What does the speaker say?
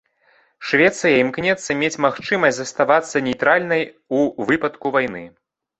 Швецыя імкнецца мець магчымасць заставацца нейтральнай ў выпадку вайны.